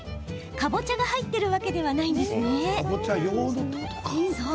かぼちゃが入っているわけではないんですね。